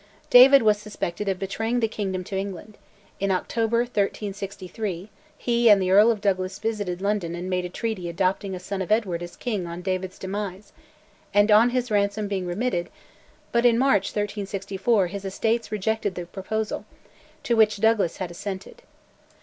David was suspected of betraying the kingdom to England; in October 1363 he and the Earl of Douglas visited London and made a treaty adopting a son of Edward as king on David's demise, and on his ransom being remitted, but in March 1364 his Estates rejected the proposal, to which Douglas had assented.